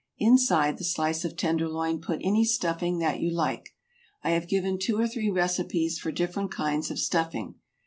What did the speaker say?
Inside the slice of tenderloin put any stuffing that you like. I have given two or three recipes for different kinds of stuffing.